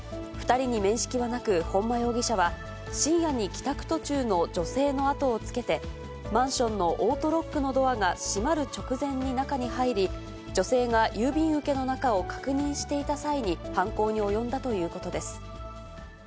２人に面識はなく、本間容疑者は、深夜に帰宅途中の女性の後をつけて、マンションのオートロックのドアが閉まる直前に中に入り、女性が郵便受けの中を確認していた際に犯行に及んだということです。